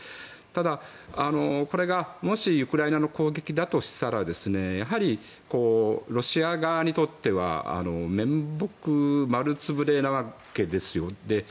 ただ、これがもしウクライナの攻撃だとしたらやはりロシア側にとっては面目丸潰れなわけですよ。